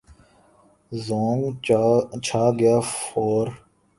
زونگ چھا گیا فور